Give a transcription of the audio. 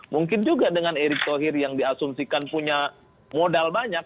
mungkin juga dengan erick thohir yang diasumsikan punya modal banyak